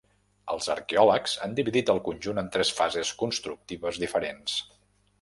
Els arqueòlegs han dividit el conjunt en tres fases constructives diferents.